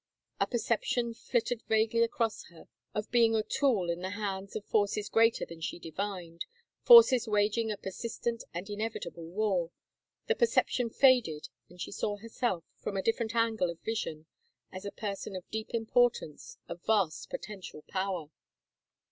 A perception flittered vaguely across her of being a tool in the hands of forces greater than she divined, forces waging a persistent and inevitable war ... the percep tion faded and she saw herself, from a different angle of vision, as a person of deep importance, of vast potential power.